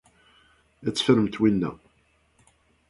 Ad teffremt winna.